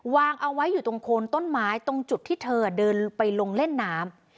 วางเอาไว้อยู่ตรงโคนต้นไม้ตรงจุดที่เธอเดินไปลงเล่นน้ำ